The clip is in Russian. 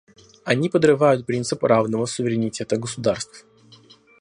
Они подрывают принцип равного суверенитета государств.